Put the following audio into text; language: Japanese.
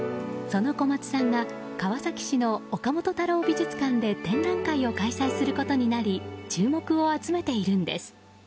その小松さんが川崎市の岡本太郎美術館で展覧会を開催することになり注目を集めているんです。